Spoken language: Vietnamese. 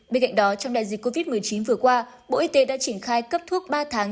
bên cạnh đó trong đại dịch covid một mươi chín vừa qua bộ y tế đã triển khai cấp thuốc ba tháng